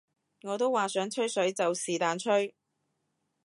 我都話想吹水就是但吹